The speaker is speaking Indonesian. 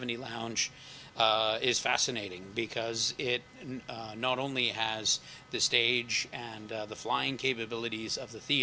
yang adalah teknologi yang sangat menarik